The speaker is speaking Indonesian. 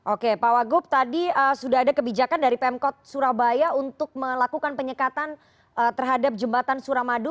oke pak wagup tadi sudah ada kebijakan dari pemkot surabaya untuk melakukan penyekatan terhadap jembatan suramadu